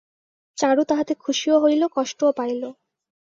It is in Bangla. চারু তাহাতে খুশিও হইল, কষ্টও পাইল।